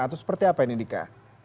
atau seperti apa ini dika